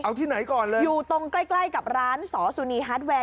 เอาที่ไหนก่อนเลยอยู่ตรงใกล้ใกล้กับร้านสอสุนีฮาร์ดแวร์